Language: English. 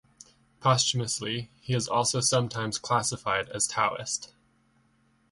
Posthumously, he is also sometimes classified as Taoist.